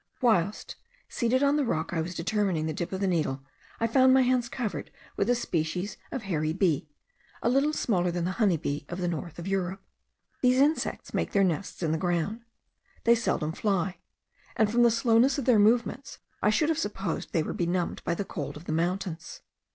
Whilst, seated on the rock, I was determining the dip of the needle, I found my hands covered with a species of hairy bee, a little smaller than the honey bee of the north of Europe. These insects make their nests in the ground. They seldom fly; and, from the slowness of their movements, I should have supposed they were benumbed by the cold of the mountains.